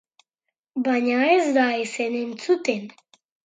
Baina ez da ezer entzuten.